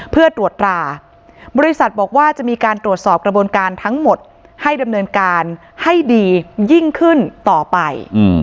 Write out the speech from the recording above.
เพื่อตรวจราบริษัทบอกว่าจะมีการตรวจสอบกระบวนการทั้งหมดให้ดำเนินการให้ดียิ่งขึ้นต่อไป